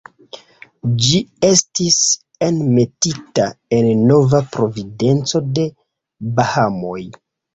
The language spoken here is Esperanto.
Ĝi estis enmetita en Nova Providenco de Bahamoj.